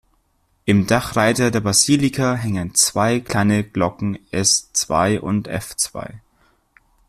Im Dachreiter der Basilika hängen zwei kleine Glocken es″ und f″.